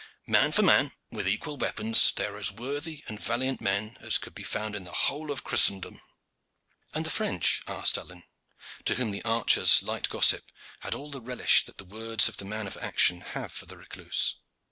Man for man, with equal weapons, they are as worthy and valiant men as could be found in the whole of Christendom." "And the French?" asked Alleyne, to whom the archer's light gossip had all the relish that the words of the man of action have for the recluse.